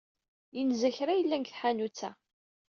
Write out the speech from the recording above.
Yenza kra yellan deg tḥanut-a.